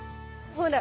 ほら。